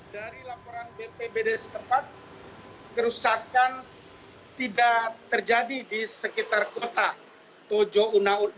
dari laporan bpbd setempat kerusakan tidak terjadi di sekitar kota tojo una una